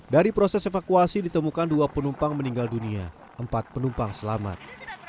dari proses evakuasi ditemukan dua penumpang meninggal dunia empat penumpang selamat